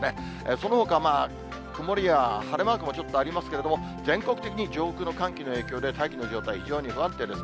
そのほか、曇りや晴れマークもちょっとありますけれども、全国的に上空の寒気の影響で大気の状態、非常に不安定です。